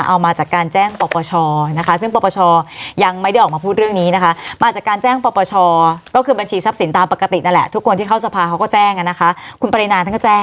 เอามาจากการแจ้งปรปชนะคะ